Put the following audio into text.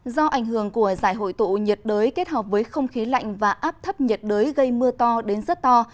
do ảnh hưởng của giải hội tụ nhiệt đới kết hợp với không khí lạnh và áp thấp nhiệt đới gây mưa to đến rất to